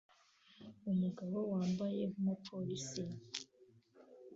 Umugabo wambaye nkumupolisi